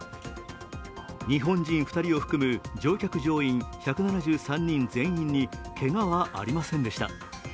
日本人２人を含む乗客・乗員１７３人全員にけがはありませんでした。